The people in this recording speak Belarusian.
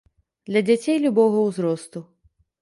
Для дзяцей любога ўзросту.